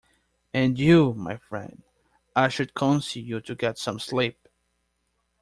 And you, my friend, I should counsel you to get some sleep.